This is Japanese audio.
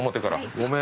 ごめん。